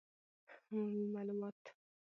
عمومي معلومات